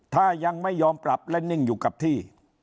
ถ้ายังไม่ยอมปรับและนิ่งอยู่กับที่